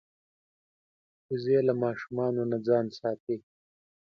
وزې له ماشومانو نه ځان ساتي